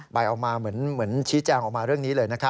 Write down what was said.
ออกมาเหมือนชี้แจงออกมาเรื่องนี้เลยนะครับ